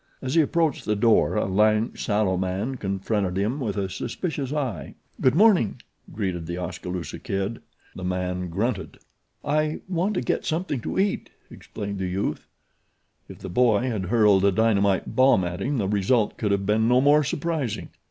As he approached the door a lank, sallow man confronted him with a suspicious eye. "Good morning," greeted The Oskaloosa Kid. The man grunted. "I want to get something to eat," explained the youth. If the boy had hurled a dynamite bomb at him the result could have been no more surprising.